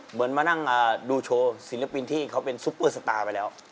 เหมือนมานั่งดูโชว์ศิลปินที่เขาเป็นซุปเปอร์สตาร์ไปแล้ว